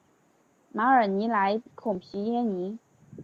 马尔尼莱孔皮耶尼。